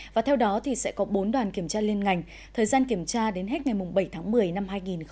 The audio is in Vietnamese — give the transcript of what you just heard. và theo đó sẽ có bốn đoàn kiểm tra liên ngành thời gian kiểm tra đến hết ngày bảy tháng một mươi năm hai nghìn hai mươi